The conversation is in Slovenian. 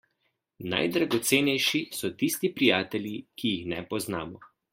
Najdragocenejši so tisti prijatelji, ki jih ne poznamo.